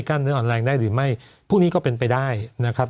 เนื้ออ่อนแรงได้หรือไม่พวกนี้ก็เป็นไปได้นะครับ